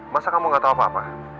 masa kamu gak tahu apa apa